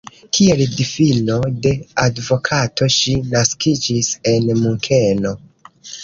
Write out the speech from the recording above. Kiel filino de advokato ŝi naskiĝis en Munkeno.